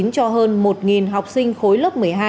cho hơn một học sinh khối lớp một mươi hai